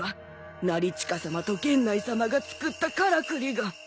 成親さまと源内さまが造ったからくりが。